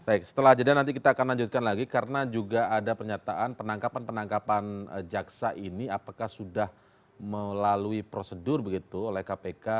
baik setelah jeda nanti kita akan lanjutkan lagi karena juga ada pernyataan penangkapan penangkapan jaksa ini apakah sudah melalui prosedur begitu oleh kpk